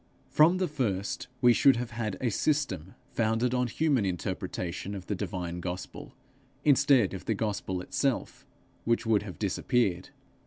From the first we should have had a system founded on a human interpretation of the divine gospel, instead of the gospel itself, which would have disappeared.